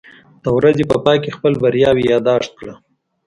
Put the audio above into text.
د ورځې په پای کې خپل بریاوې یاداښت کړه.